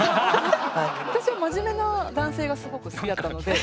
私は真面目な男性がすごく好きだったので。